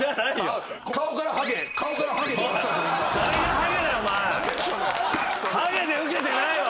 ハゲでウケてないわ！